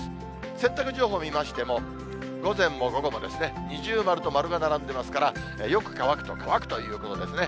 洗濯情報見ましても、午前も午後も二重丸と丸が並んでいますから、よく乾くと乾くということですね。